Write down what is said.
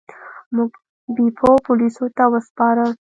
موږ بیپو پولیسو ته وسپاره.